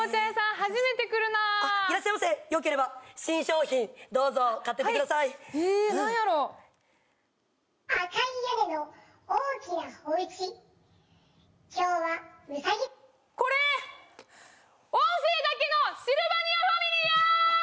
初めて来るなあっいらっしゃいませよければ新商品どうぞ買ってってくださいへえ何やろ・赤い屋根の大きなおうち・今日はうさぎこれ音声だけのシルバニアファミリーや！